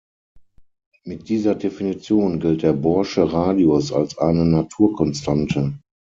Mit dieser Definition gilt der bohrsche Radius als eine Naturkonstante.